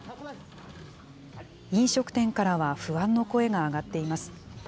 飲食店からは不安の声が上がっています。